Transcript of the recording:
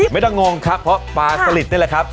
งงครับเพราะปลาสลิดนี่แหละครับ